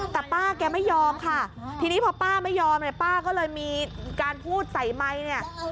แต่ป้าแกไม่ยอมค่ะทีนี้พอป้าไม่ยอมเนี่ยป้าก็เลยมีการพูดใส่ไมค์เนี่ย